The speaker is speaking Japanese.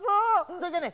それじゃあね